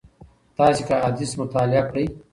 تاسي که احاديث مطالعه کړئ